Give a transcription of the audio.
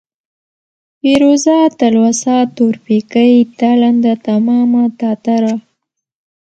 پېروزه ، تلوسه ، تورپيکۍ ، تالنده ، تمامه ، تاتره ،